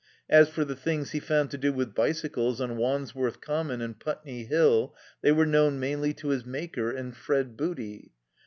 As for the things he found to do with bicycles on Wandsworth Common and Putney Hill they were known mainly to his Maker and Fred Booty.